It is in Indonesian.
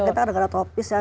nah kita ada ada topis ya